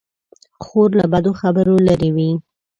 خور له بدو خبرو لیرې وي.